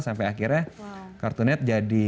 sampai akhirnya kartunet jadi